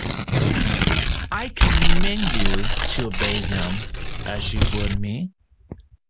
I command you to obey him as you would me.